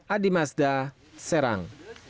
adi mazda serang